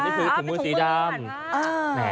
อ๋อนี่คือถุงมือสีดำ